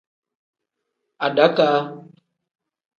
Adakaa.